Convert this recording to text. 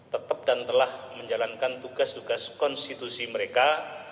tetap dan telah menjalankan tugas tugas konstitusi mereka